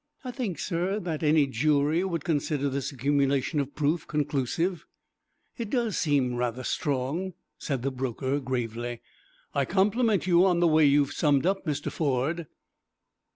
I think, sir, that any jury would consider this accumulation of proof conclusive." "It does seem rather strong," said the broker, gravely. "I compliment you on the way you have summed up, Mr. Ford."